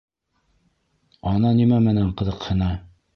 Ана нимә менән ҡыҙыҡһына.